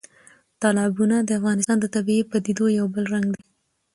تالابونه د افغانستان د طبیعي پدیدو یو بل رنګ دی.